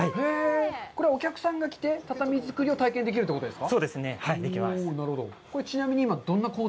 これはお客さんが来て、畳作りを体験できるということですか？